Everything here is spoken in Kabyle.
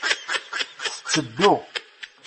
Tetteddu.